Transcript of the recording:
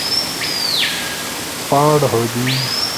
ن پاڑ ہودی۔